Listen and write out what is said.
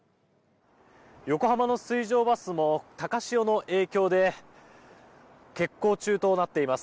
横浜の水上バスも高潮の影響で欠航中となっています。